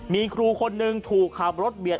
มีครูคนหนึ่งถูกขับรถเบียด